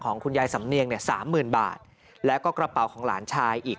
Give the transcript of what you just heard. คุณยายสำเนียงเนี่ยสามหมื่นบาทแล้วก็กระเป๋าของหลานชายอีก